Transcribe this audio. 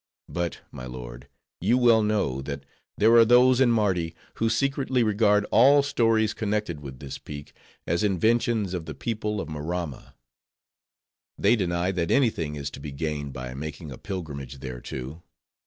But, my lord, you well know, that there are those in Mardi, who secretly regard all stories connected with this peak, as inventions of the people of Maramma. They deny that any thing is to be gained by making a pilgrimage thereto.